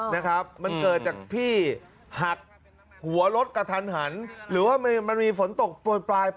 นะครับมันเกิดจากพี่หักหัวรถกระทันหันหรือว่ามันมีฝนตกโปรยปลาย